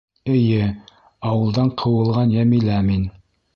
— Эйе, ауылдан ҡыуылған Йәмилә мин.